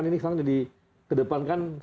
ini sekarang jadi kedepankan